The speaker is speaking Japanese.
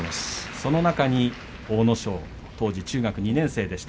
その中に阿武、、阿武咲、当時中学２年生でした。